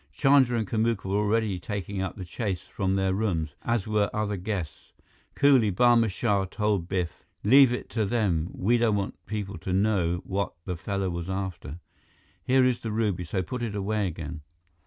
Chandra and Kamuka were already taking up the chase from their rooms, as were other guests. Coolly, Barma Shah told Biff: "Leave it to them. We don't want people to know what the fellow was after. Here is the ruby, so put it away again."